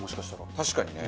確かにね。